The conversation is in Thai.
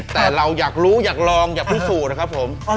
แต่เราอยากรู้อยากลองอยากพิสูจน์นะครับผม